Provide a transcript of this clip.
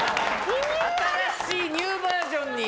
新しいニューバージョンに。